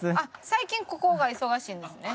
最近ここが忙しいんですね。